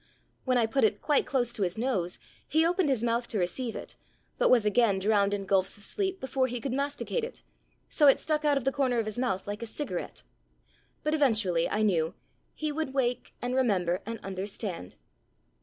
When I put it quite close to his nose he opened his mouth to receive it, but was again drowned in gulfs of sleep before he could masticate it. So it stuck out of the corner of his mouth like a cigarette. But eventually, I knew, he "would wake and remember and under stand."